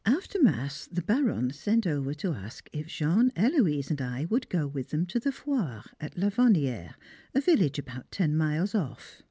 After Mass the Baronne sent over to ask if Jean, Héloise, and I would go with them to the Foire at Lavonnière, a village about ten miles off.